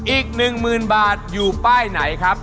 อีก๑๐๐๐บาทอยู่ป้ายไหนครับ